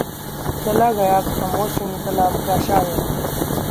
चला गया ख़ामोश इन्कलाब का शायर